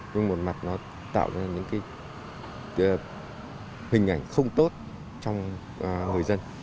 nhưng một mặt nó tạo ra những cái hình ảnh không tốt trong người dân